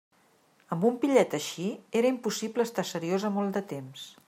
Amb un pillet així era impossible estar seriosa molt de temps!